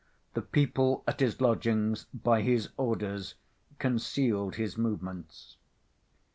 The people at his lodgings, by his orders, concealed his movements.